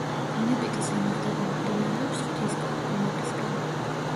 ბუნებითი სამართალი მომდინარეობს ღვთისგან, ბუნებისგან.